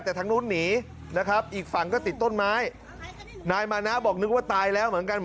แต่ทางนู้นหนีนะครับอีกฝั่งก็ติดต้นไม้นายมานะบอกนึกว่าตายแล้วเหมือนกัน